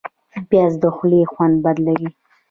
پیاز د خولې خوند بدلوي